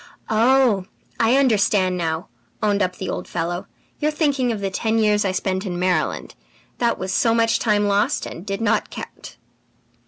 "'Oh, I understand now,' owned up the old fellow. 'You are thinking of the ten years I spent in Maryland; that was so much time lost and did not count!'"